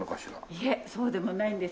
いえそうでもないんです。